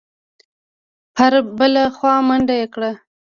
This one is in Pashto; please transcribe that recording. پر بله خوا منډه یې کړه.